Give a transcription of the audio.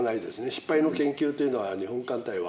失敗の研究というのは日本艦隊は。